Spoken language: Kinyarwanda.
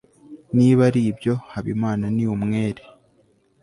niba aribyo, habimana ni umwere